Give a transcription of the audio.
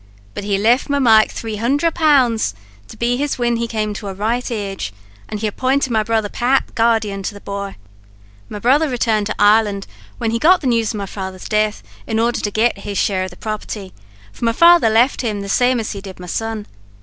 But he left my Mike three hunder pounds; to be his whin he came to a right age; and he appointed my brother Pat guardian to the bhoy. "My brother returned to Ireland when he got the news of my father's death, in order to get his share of the property, for my father left him the same as he did my son.